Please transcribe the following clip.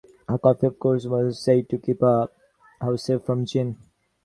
A copy of the Qur'an was said to keep a house safe from jinn.